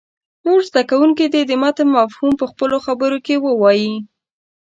نور زده کوونکي دې د متن مفهوم په خپلو خبرو کې ووایي.